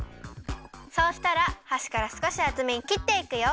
そうしたらはしからすこしあつめにきっていくよ。